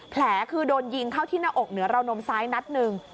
แผลคือโดนยิงเข้าที่หน้าอกเหนือราวนมซ้ายนัดหนึ่ง